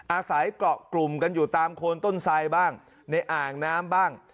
อาศัยเกาะกลุ่มกันอยู่ตามโคนต้นไทบ้างในอ่างน้ำบ้าง